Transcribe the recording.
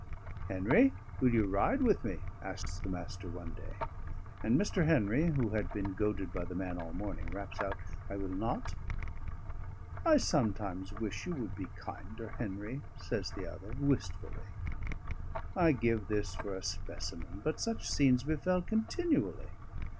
"Henry, will you ride with me?" asks the Master one day. And Mr. Henry, who had been goaded by the man all morning, raps out: "I will not." "I sometimes wish you would be kinder, Henry," says the other wistfully. I give this for a specimen; but such scenes befell continually.